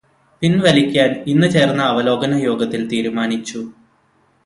പിന്വലിക്കാന് ഇന്ന് ചേര്ന്ന അവലോകന യോഗത്തില് തീരുമാനിച്ചു.